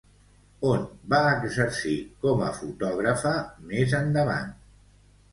On va exercir com a fotògrafa més endavant?